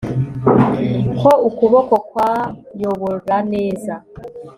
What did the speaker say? Ko ukuboko kwayobora neza